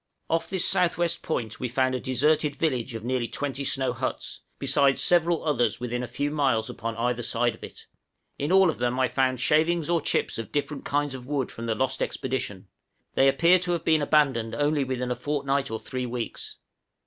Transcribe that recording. Off this south west point we found a deserted village of nearly twenty snow huts, besides several others, within a few miles upon either side of it; in all of them I found shavings or chips of different kinds of wood from the lost expedition; they appeared to have been abandoned only within a fortnight or three weeks.